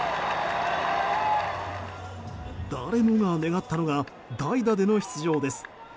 誰もが願ったのが代打での出場です。